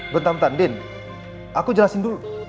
bentar bentar din aku jelasin dulu